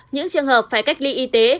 những trường hợp phải cách ly y tế